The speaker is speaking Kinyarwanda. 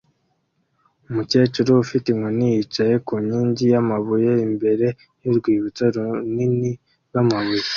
Umukecuru ufite inkoni yicaye ku nkingi y'amabuye imbere y'urwibutso runini rw'amabuye